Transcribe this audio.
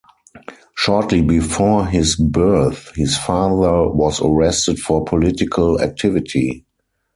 Shortly before his birth, his father was arrested for political activity.